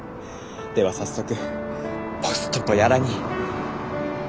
では早速ぽすととやらに。